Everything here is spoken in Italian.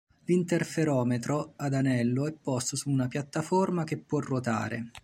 L'interferometro ad anello è posto su una piattaforma che può ruotare.